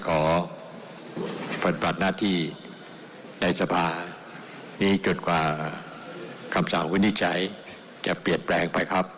ขอปฏิบัติหน้าที่ในสภานี้จนกว่าคำสั่งวินิจฉัยจะเปลี่ยนแปลงไปครับ